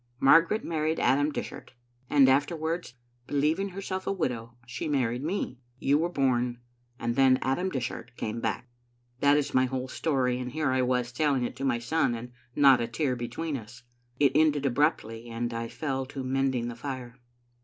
" Margaret married Adam Dishart, and afterwards, be lieving herself a widow, she married me. You were bom, and then Adam Dishart came back." That is my whole story, and here was I telling it to my son, and not a tear between us. It ended abruptly, and I fell to mending the fire.